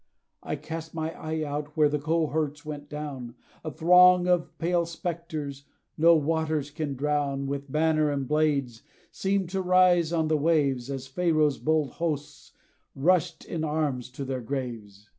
I cast my eye out, where the cohorts went down: A throng of pale spectres, no waters can drown, With banner and blades, seem to rise on the waves, As Pharaoh's bold hosts rushed in arms to their graves.